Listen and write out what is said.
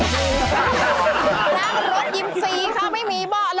นั่งรถยินซีค่ะไม่มีบ่ล